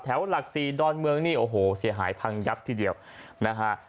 หลักสี่ดอนเมืองนี่โอ้โหเสียหายพังยับทีเดียวนะฮะ